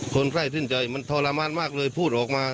คนใกล้สิ้นใจมันทรมานมากเลยพูดออกมา